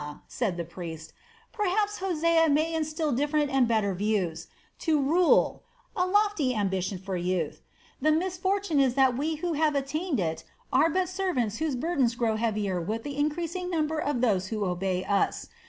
said the priest. "Perhaps Hosea may instil different and better views. To rule a lofty ambition for youth. The misfortune is that we who have attained it are but servants whose burdens grow heavier with the increasing number of those who obey us.